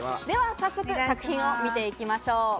では早速作品を見てみましょう。